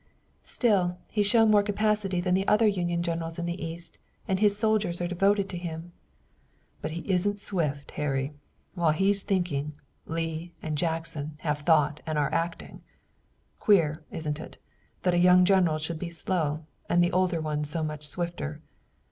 "Still, he's shown more capacity than the other Union generals in the East, and his soldiers are devoted to him." "But he isn't swift, Harry. While he's thinking, Lee and Jackson have thought and are acting. Queer, isn't it, that a young general should be slow, and older ones so much swifter.